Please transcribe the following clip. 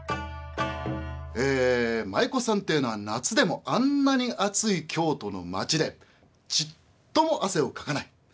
え舞妓さんっていうのは夏でもあんなに暑い京都の街でちっとも汗をかかない。